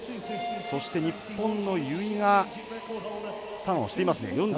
そして日本の由井がターンをしてますね。